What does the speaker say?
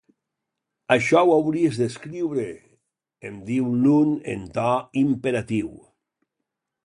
Això ho hauries d'escriure, em diu l'un en to imperatiu.